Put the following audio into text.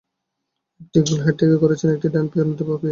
একটি goal head থেকে করেছেন, একটি ডান পায়ে, অন্যটি বাঁ পায়ে।